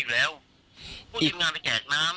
แล้วแบบมาเจอให้พวกขยะกลับคมอย่างนี้ผมก็ทำงานเหนื่อยนะ